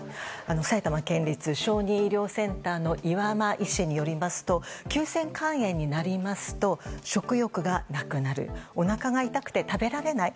埼玉県立小児医療センターの岩間医師によりますと急性肝炎になると食欲がなくなるおなかが痛くて食べられない。